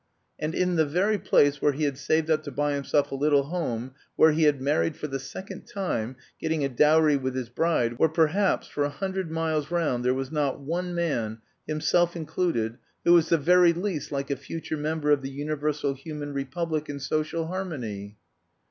And that in the very place where he had saved up to buy himself a "little home," where he had married for the second time, getting a dowry with his bride, where perhaps, for a hundred miles round there was not one man, himself included, who was the very least like a future member "of the universal human republic and social harmony."